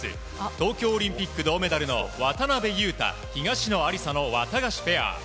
東京オリンピック銅メダルの渡辺勇大、東野有紗のワタガシペア。